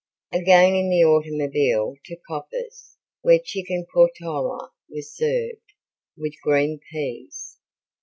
Again in the automobile to Coppa's where Chicken Portola was served, with green peas.